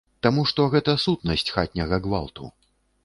Таму што гэта сутнасць хатняга гвалту.